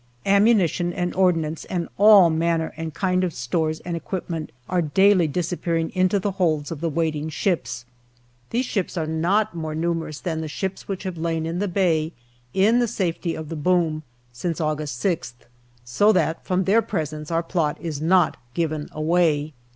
Ammunition and ordnance and all manner and kind of stores and equip ment are daily disappearing into the holds of the waiting ships. These ships are not more numerous than the ships which have lain in the bay in the safety of the boom since August 6th, so that from their presence our plot is not given away.